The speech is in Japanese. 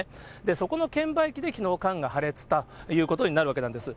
そこの券売機できのう、缶が破裂したということになるわけなんです。